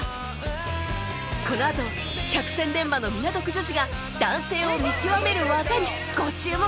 このあと百戦錬磨の港区女子が男性を見極める技にご注目